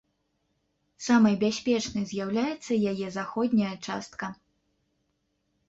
Самай бяспечнай з'яўляецца яе заходняя частка.